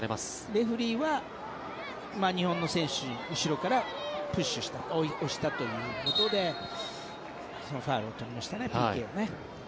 レフェリーは日本の選手を後ろからプッシュした押したということでファウルを取りましたねＰＫをね。